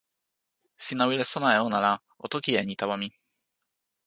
sina wile sona e ona la o toki e ni tawa mi.